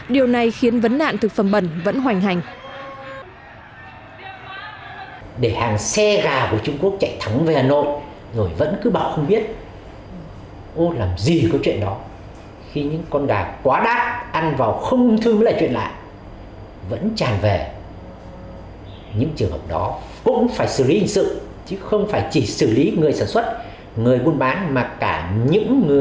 điều này khiến vấn đạn thực phẩm bẩn vẫn hoành hành